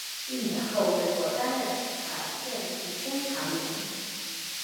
一年后回国担任财政部监察员。